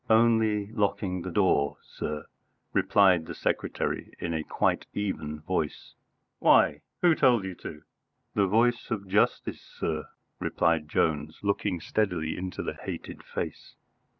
"Only locking the door, sir," replied the secretary in a quite even voice. "Why? Who told you to ?" "The voice of Justice, sir," replied Jones, looking steadily into the hated face.